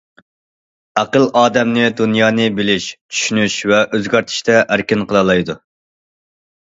ئەقىل ئادەمنى دۇنيانى بىلىش، چۈشىنىش ۋە ئۆزگەرتىشتە ئەركىن قىلالايدۇ.